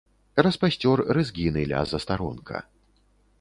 Распасцёр рэзгіны ля застаронка.